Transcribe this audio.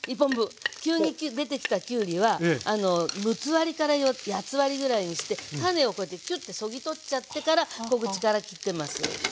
急に出てきたきゅうりは六つ割りから八つ割りぐらいにして種をこうやってチョッてそぎ取っちゃってから小口から切ってます。